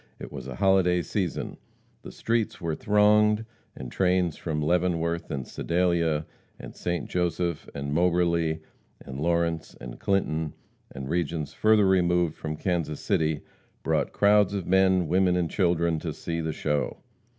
It was a holiday season. The streets were thronged and trains from Leavenworth and Sedalia, and St. Joseph and Moberly, and Lawrence and Clinton and regions further removed from Kansas City, brought crowds of men, women and children to see the show.